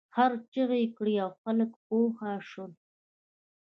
خر چیغې کړې او خلک پوه شول.